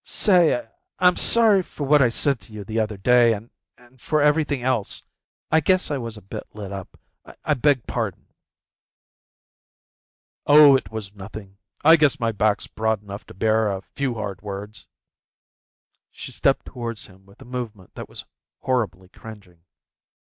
"Say, I'm sorry for what I said to you the other day an' for for everythin' else. I guess I was a bit lit up. I beg pardon." "Oh, it was nothing. I guess my back's broad enough to bear a few hard words." She stepped towards him with a movement that was horribly cringing.